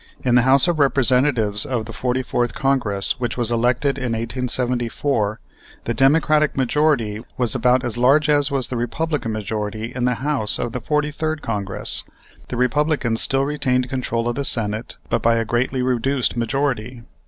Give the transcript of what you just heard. In the House of Representatives of the 44th Congress, which was elected in 1874, the Democratic majority was about as large as was the Republican majority in the House of the 43rd Congress. The Republicans still retained control of the Senate, but by a greatly reduced majority.